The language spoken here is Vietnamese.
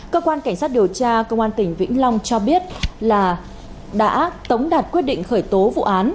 cơ quan cảnh sát điều tra công an tỉnh vĩnh long cho biết là đã tống đạt quyết định khởi tố vụ án